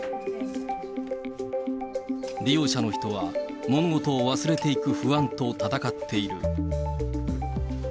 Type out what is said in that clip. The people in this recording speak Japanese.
利用者の人は、物事を忘れていく不安と闘っている。